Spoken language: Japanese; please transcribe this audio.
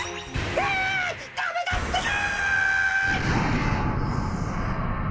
わダメだってか！